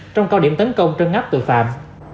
trong cao điểm tấn công trân ngắp tội phạm